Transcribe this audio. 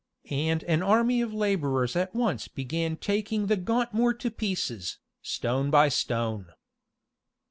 And an army of laborers at once began taking the Gauntmoor to pieces, stone by stone.